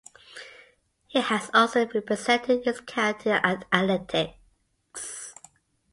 He has also represented his county at athletics.